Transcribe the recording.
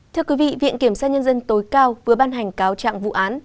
thưa quý vị viện kiểm sát nhân dân tối cao vừa ban hành cáo trạng vụ án